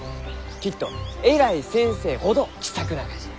きっと偉い先生ほど気さくながじゃ。